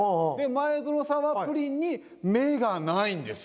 前園さんはプリンに目がないんですよ。